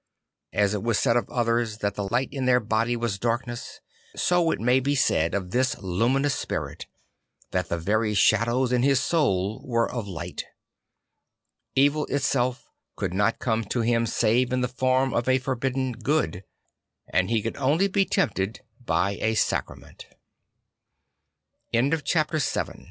As it was said of others that the light in their body was darkness, so it may be said of this IUlninous spirit that the very shadows in his soul were of light, Evil itself could not come to him save in the form of a for bidden good; and he could only be tempted